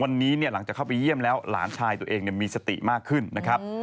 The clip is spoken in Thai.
วันนี้เนี่ยหลังจากเข้าไปเยี่ยมแล้วหลานชายตัวเองมีสติมากขึ้นนะครับ